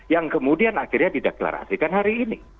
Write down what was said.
yang kemudian akhirnya dideklarasikan hari ini